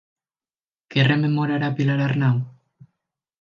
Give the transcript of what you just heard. Què rememorarà Pilar Arnau?